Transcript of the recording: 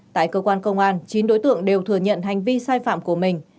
tại cơ quan công an chín đối tượng đều thừa nhận hành vi sai phạm của mình